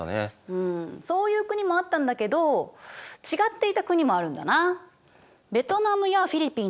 うんそういう国もあったんだけど違っていた国もあるんだな。